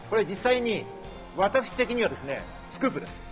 実際に私的にはスクープです。